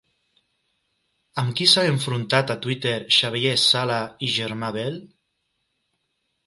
Amb qui s'han enfrontat a Twitter Xavier Sala i Germà Bel?